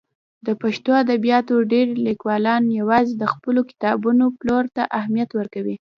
د پښتو ادبیاتو ډېری لیکوالان یوازې د خپلو کتابونو پلور ته اهمیت ورکوي.